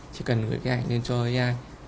chỉ cần gửi cái ảnh lên cho ai